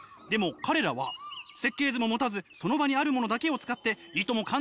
でも彼らは設計図も持たずその場にあるものだけを使っていとも